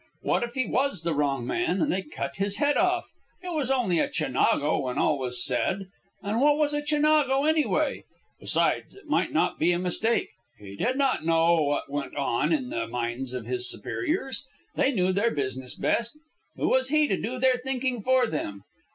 What if he was the wrong man and they cut his head off? It was only a Chinago when all was said, and what was a Chinago, anyway? Besides, it might not be a mistake. He did not know what went on in the minds of his superiors. They knew their business best. Who was he to do their thinking for them?